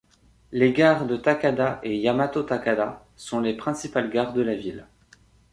Les gares de Takada et Yamato-Takada sont les principales gares de la ville.